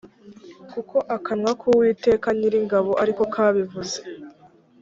kuko akanwa k’uwiteka nyiringabo ari ko kabivuze